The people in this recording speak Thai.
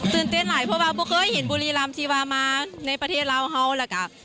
ตื่นเต้นหลายคนเพราะว่าพวกเคยเห็นบุรีรำที่มาในประเทศลาวเขาแล้วกับ